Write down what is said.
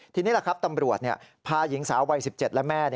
ทีนี้แหละครับตำรวจพาหญิงสาววัย๑๗และแม่